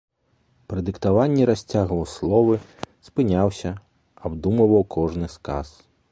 Пры дыктаванні расцягваў словы, спыняўся, абдумваў кожны сказ.